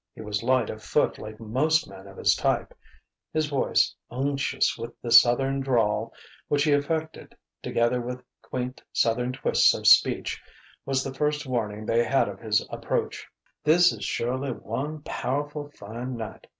He was light of foot like most men of his type; his voice, unctuous with the Southern drawl which he affected together with quaint Southern twists of speech, was the first warning they had of his approach. "This is surely one powerful' fine night.